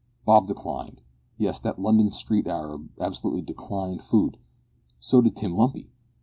Bob declined. Yes, that London street arab absolutely declined food! So did Tim Lumpy!